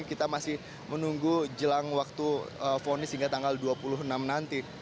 kita masih menunggu jelang waktu vonis hingga tanggal dua puluh enam nanti